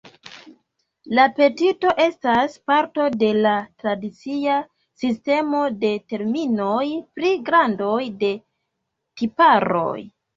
La petito estas parto de la tradicia sistemo de terminoj pri grandoj de tiparoj.